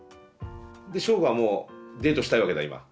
でしょうごはもうデートしたいわけだ今。